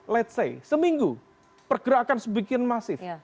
let's say seminggu pergerakan sebegini masif